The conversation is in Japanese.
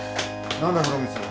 何だ？